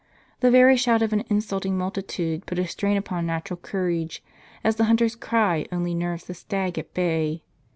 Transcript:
The very shout of an insulting multitude put a strain upon natural courage, as the hunter's cry only nerves the stag at bay.